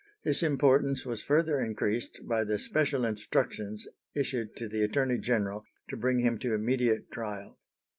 His importance was further increased by the special instructions issued to the Attorney General to bring him to immediate trial.